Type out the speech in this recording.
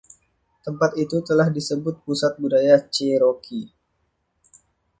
Tempat itu telah disebut pusat budaya Cherokee.